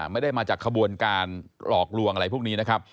ไม่ได้มาจากขบวนการหลอกลวงอะไรพวกนี้นะครับ